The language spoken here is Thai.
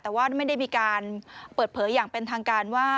แต่ว่าไม่ได้มีการเปิดเผยอย่างเป็นทางการว่า